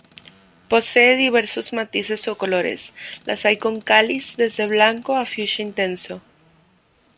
Posee diversos matices o colores: las hay con cáliz desde blanco a fucsia intenso.